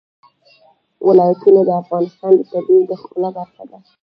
ولایتونه د افغانستان د طبیعت د ښکلا برخه ده.